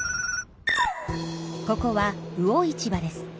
ここは魚市場です。